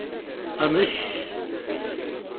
Amek!